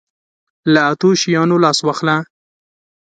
له اتو شیانو لاس واخله.